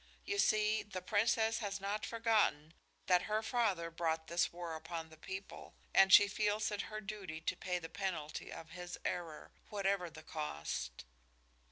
You see, the Princess has not forgotten that her father brought this war upon the people, and she feels it her duty to pay the penalty of his error, whatever the cost."